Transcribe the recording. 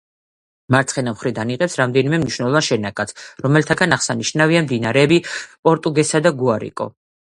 მარცხენა მხრიდან იღებს რამდენიმე მნიშვნელოვან შენაკადს, რომელთაგან აღსანიშნავია მდინარეები პორტუგესა და გუარიკო.